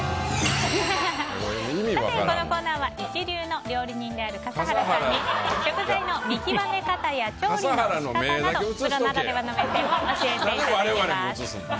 このコーナーは一流の料理人である笠原さんに食材の見極め方や調理の仕方などプロならではの目線を教えてもらいます。